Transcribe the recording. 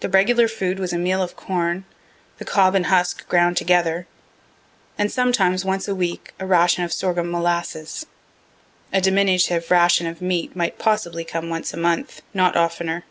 The regular food was a meal of corn, the cob and husk ground together, and sometimes once a week a ration of sorghum molasses. A diminutive ration of meat might possibly come once a month, not oftener.